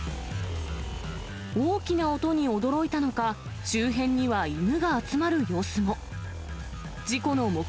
大きな音に驚いたのか、周辺には犬が集まる様子も。